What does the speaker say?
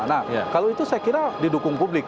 nah kalau itu saya kira didukung publik